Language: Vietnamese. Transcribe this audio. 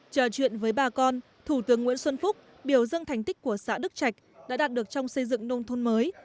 trò chuyện với bà con thủ tướng nguyễn xuân phúc biểu dương thành tích của xã đức trạch đã đạt được trong xây dựng nông thôn mới